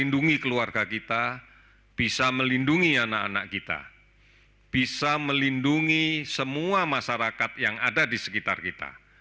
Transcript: dan jika kita sudah telanjang selama metode covid sembilan belas